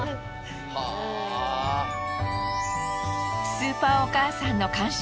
スーパーお母さんの感謝